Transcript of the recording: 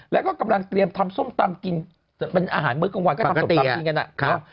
แล้วก็กำลังเตรียมทำส้มตำกินเป็นอาหารมื้อกลางวันก็ทำตกปลากินกันนะครับ